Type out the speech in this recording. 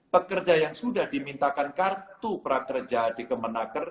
pekerja yang sudah dimintakan kartu prakerja di kemenaker